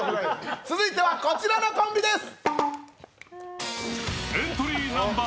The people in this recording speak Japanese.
続いてはこちらのコンビです。